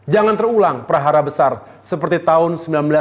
jangan terulang prahara besar seperti tahun